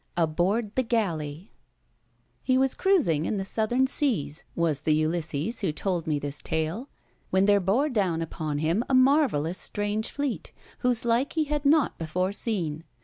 Aboard the Galley He was cruising in the Southern Seas (was the Ulysses who told me this tale), when there bore down upon him a marvellous strange fleet, whose like he had not before seen.